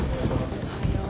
おはよう。